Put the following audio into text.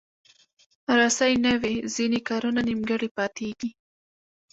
رسۍ نه وي، ځینې کارونه نیمګړي پاتېږي.